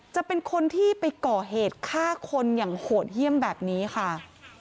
จะเป็นคนที่ไปก่อเหตุฆ่าคนอย่างโหดเยี่ยมแบบนี้ค่ะ